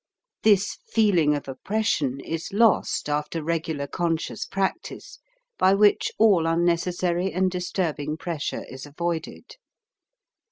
This feeling of oppression is lost after regular conscious practice, by which all unnecessary and disturbing pressure is avoided.